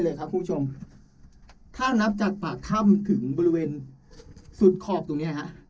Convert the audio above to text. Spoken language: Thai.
เลยครับคุณผู้ชมถ้านับจากปากถ้ำถึงบริเวณสุดขอบตรงเนี้ยฮะ